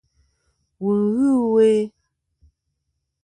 Wù n-ghɨ ɨwe.